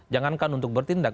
jangankan untuk bertindak